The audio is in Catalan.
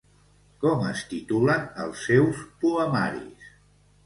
Com es titulen els seus poemaris?